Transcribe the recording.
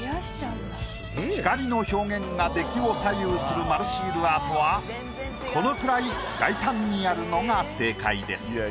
光の表現が出来を左右する丸シールアートはこのくらい大胆にやるのが正解です。